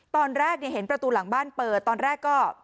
ตอนแรกเห็นประตูหลังบ้านเปิดตอนแรกก็